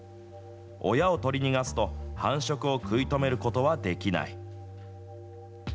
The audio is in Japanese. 親を取り逃がすと、繁殖を食い止めることはできない。